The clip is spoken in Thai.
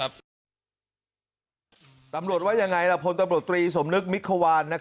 รับบรรโหชว์ว่ายังไงละโพสต์ตำรวจตรีสมนึกมิกฮวาล